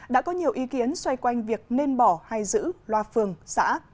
đã có nhiều ý kiến xoay quanh việc nên bỏ hay giữ loa phường xã